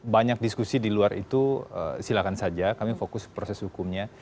banyak diskusi di luar itu silakan saja kami fokus proses hukumnya